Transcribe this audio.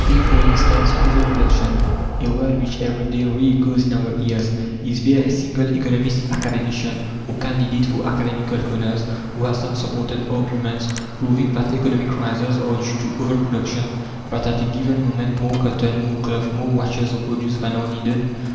Take, for instance, over production, a word which every day re echoes in our ears. Is there a single economist, academician, or candidate for academical honours, who has not supported arguments, proving that economic crises are due to over production that at a given moment more cotton, more cloth, more watches are produced than are needed!